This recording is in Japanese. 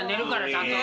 ちゃんと。